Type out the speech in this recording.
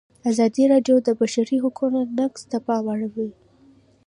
ازادي راډیو د د بشري حقونو نقض ته پام اړولی.